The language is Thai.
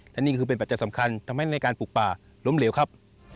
และนี่คือเป็นปัจจัยสำคัญทำให้ในการปลูกป่าล้มเหลวครับ